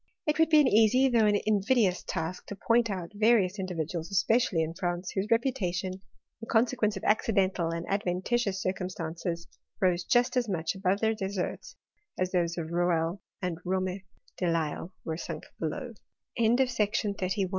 II would be an easy, though an invidious task, to poiill out vai'ious individuals, especially in France, whoiif. reputation, in consequence of accidental and adventitf tious circumstances, rose just as much above their deserts, as those of Rouelle, and Rome de Lisle wefi sunk below.